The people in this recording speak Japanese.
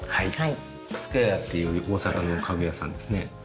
スクエアっていう大阪の家具屋さんですね。